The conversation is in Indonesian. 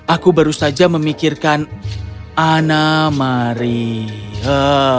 aku baru saja memikirkan anna maria